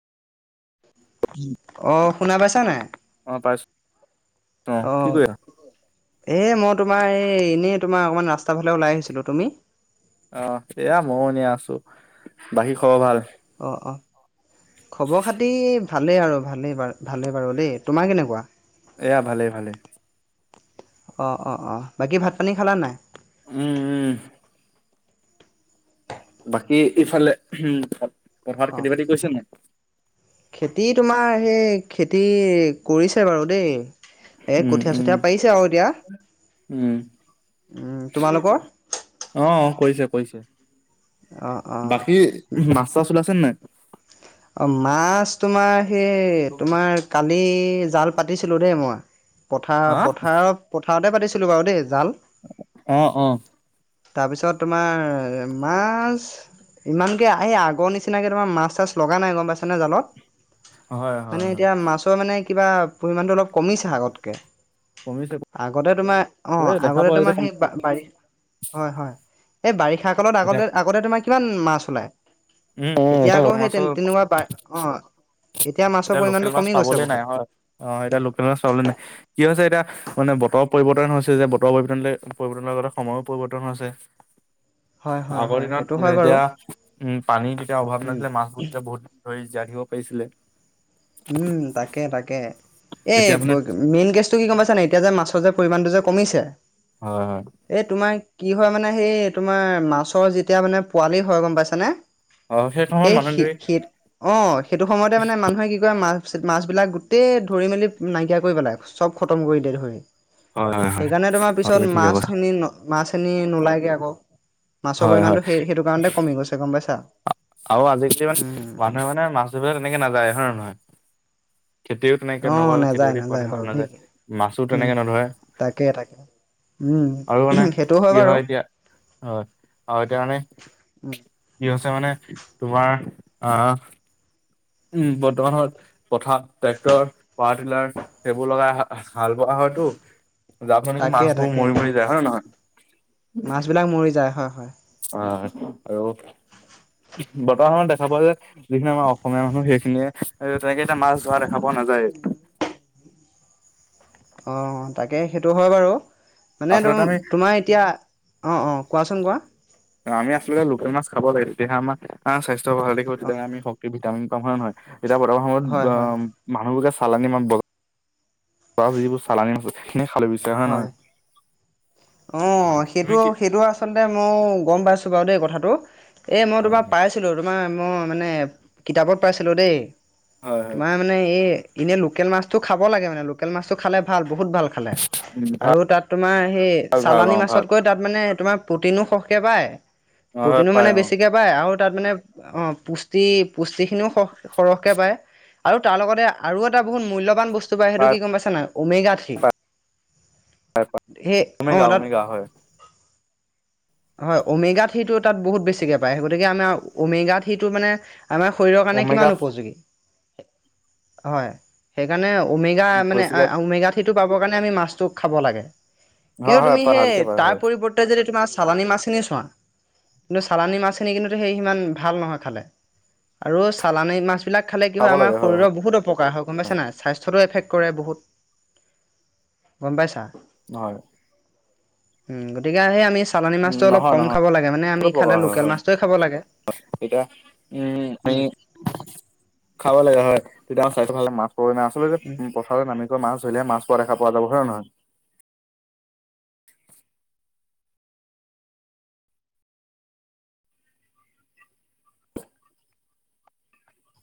অ, শুনা পাইছা নাই। অ, পাইছোঁ। অ, এই মই তোমাৰ এই এনেই তোমাৰ অকণমান ৰাস্তাৰফালে ওলাই আহিছিলো। তুমি? অ এয়া মইো নিয়া আছো। বাকী খবৰ ভাল। অ অ খবৰ খাতি ভালেই আৰু ভালেই বাৰ ভালেই বাৰু দেই তোমাৰ কেনেকুৱা? এয়া ভালেই ভালে। অ' অ' অ' বাকী ভাত পানী খালানে নাই? উম, উম বাকী ইফালে উ অ পথাৰত খেতি বাতি কৰিছে নাই। খেতি তোমাৰ সেই খেতি কৰিছে বাৰু দেই। এ উম কঠীয়া উম চঠীয়া পাৰিছে আৰু এতিয়া উম, উম তোমালোকৰ? আহ কৰিছে কৰিছে। অঁ অঁ বাকী মাছ চাচ চাচ ওলাইছে নৈ নাই। অ' মাছ তোমাৰ সেই তোমাৰ কালি কালি জাল পাতিছিলোঁ দেই মই পথাৰ হা পথাৰত পথাৰতে পাতিছিলোঁ বাৰু দেই জাল অ 'অ' তাৰ পিছত তোমাৰ মাছ ইমানকে এই আগৰ নিচিনাকে তোমাৰ মাছ চাছ লগা নাই গম পাইছেনে জালত হয় হয় মানে হয় এতিয়া মাছৰ মানে কিবা পৰিমাণটো অলপ কমিছে আগতকে কমিছে আগতে তোমাৰ অ' দেখা আগতে পোৱা তোমাৰ যেতিয়া সেই বাৰী হয়, হয় এই বাৰিষা কালত এতিয়া আগতে আগতে তোমাৰ কিমান মাছ ওলায়। উম, এতিয়া আকৌ উ সেই মাছ তেনেকুৱা পাই অ' মাছৰ এতিয়া লোকেল পৰিমাণটো মাছ কমি গৈছে পাবলে নাই বহুত হয়। অ' এতিয়া লোকেল মাছ পাবলে নাই। কি হৈছে এতিয়া মানে বতৰ পৰিৱৰ্তন হৈছে যে বতৰ পৰিৱৰ্তন পৰিৱৰ্তনৰ লগতে সময়ো পৰিৱৰ্তন হৈছে। হয় হয় আগৰ হয় দিনত সেইটো হয় বাৰু এতিয়া উম পানী যেতিয়া অভাৱ উম নাছিলে মাছবোৰ তেতিয়া বহুত দিন ধৰি জ়িব পাৰিছিলে উম' তাকে তাকে। এই এতিয়া মানে মেইন গেছটো কি গম পাইছ নে এতিয়া যে মাছৰ যে পৰিমাণটো যে কমিছে হয় হয় এই তোমাৰ কি হয় মানে সেই তোমাৰ মাছৰ যেতিয়া মানে পোৱালি হয় গম পাইছানে। অ সময়ত সেই, মানুহে ধৰি সেই অ' সেইটো সময়তে মানে মানুহে কি মা মাছবলাক গোটেই ধৰি মেলি নাইকিয়া কৰি পেলাই। চব খতম কৰি দিয়ে ধৰি। হয় হয় হয় সেইকাৰণে তোমাৰ অ পিছত তুমি ঠিকে কৈছা মাছখিনি মাছ খিনি নোলাইগে আকৌ মাছৰ হয় হয় পৰিমাণতটো সেই সেইটো কাৰণতে কমি গৈছে গম পাইছা্ আৰু আজিকালি মানে মানুহে মানে মাছ ধৰি তেনেকে নাযায় হয় নহয় খেতিও তেনেকে অঁ নকৰৰে খেতি নাযায় বাতি খোৱা দেখাাব বাৰু দেই নাযায় মাছো উম তেনেকে নধৰে। তাকে তাকে উম আৰু মানে সেইটো কি বাৰু হয় এতিয়া হয় আৰু এতিয়া মানে উম, কি হৈছে মানে তোমাৰ আহ উম। হাল বোৱা হয়তো, যাৰপৰা নেকি তাকে মাছবোৰ মৰি মৰি যায় হয় নে নহয়। মাছ বিলাক মৰি যায়। হয়, হয়। অ, আৰু বৰ্তমানত দেখা পোৱা যে যিখিনি আমাৰ অসমীয়া মানুহ সেইখিনিয়ে এ তেনেকে এটা মাছ ধৰা দেখা পোৱা নাযায়। অ, তাকে সেইটো হয় বাৰু মানে ত আচলতে আমি তোমাৰ এতিয়া অ, অ। কোৱাচোন কোৱা। আমি আচলতে লোকেল মাছ খাব লাগে তেতিয়াহে আমাৰ স্বাস্থ্য ভাল থাকিব অ' তেতিয়াহে আমি শক্তি, ভিটামিন হয়নে নহয়? এতিয়া বৰ্তমান সময়ত হয় হয় আ' মানুহবোৰ যে চালানি মাছ যিবোৰ চালানী মাছে হয়। অ, হয় হয়। তুমি সেইটো কি সেইটো আচলতে মই গম পাইছো। বাৰু দেই কথাটো। এই মই হয় তোমাৰ হয়। পাইছিলোঁ তোমাৰ মই মানে কিতাপত পাইছিলোঁ দেই। হয় হয় তোমাৰ মানে এই এনে লোকেল মাছটো খাব লাগে মানে লোকেল মাছটো খালে ভাল বহুত ভাল। খালে উম আৰু তাত তোমাৰ সেই ভাল ভাল চালানী অ' ভাল মাছতকৈ তাত মানে তোমাৰ প্ৰটিনো সৰখকে পায়। অ' হয় প্ৰটিনো পায় মানে অ' বেছিকে পায় আৰু তাত মানে অ'পুষ্টি পুষ্টিখিনিও সৰহ সৰহকে পায়। আৰু তাৰ লগতে আৰু এটা বহুত মূল্যবান বস্তু পায় সেইটো কি গম পাইছে নাই ওমেগা থ্ৰী। পায়। সেই অ ওমেগা, তাত ওমেগা হয়। হয়, ওমেগা থ্ৰীটো তাত বহুত বেছিকে পায় গতিকে আমাৰ ওমেগাত থ্ৰীটো মানে আমাৰ শৰীৰৰ কাৰণে ওমেগাত কিমান উপযোগী। হয়, সেইকাৰণে ওমেগা মানে বেছিকে ওমেগা থ্ৰীটো পাবৰ কাৰণে আমি মাছটো খাব লাগে। হয় কিন্তু হয় তুমি ভালকে সেই পায় হয়। তাৰ পৰিৱৰ্তে যদি তোমাৰ চালানী মাছখিনি চোৱা। কিন্তু চালানী মাছখিনি কিন্তু সেই সিমান ভাল নহয় খালে। আৰু চালানী মাছ এইবিলাক খালে কি খাব হয় আমাৰ লাগে হয় শৰীৰৰ বহুত অপকাৰ হয় গম পাইছা নাই স্বাস্থ্যটো এফেক্ট কৰে বহুত, গম পাইছা। হয়। উম গতিকে আৰু সেই আমি চালানী উম মাছটো অলপ নহয় কম নহয় খাব লাগে মানে সকলো আমি প্ৰকাৰ খালে হয় লোকেল হয় মাছটোৱে খাব লাগে। উম, আমি খাব লাগে হয় তেতিয়া [unintelligible] মাছ উম ধৰিলেহে মাছ পোৱা দেখা পোৱা যাব হয়নে নহয়।